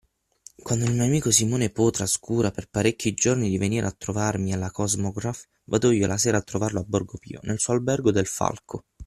Quando il mio amico Simone Pau trascura per parecchi giorni di venire a trovarmi alla Kosmograph, vado io la sera a trovarlo a Borgo Pio, nel suo Albergo del Falco.